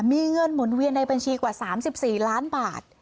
มีเงินหมุนเวียนในบัญชีกว่า๓๔ล้านบาท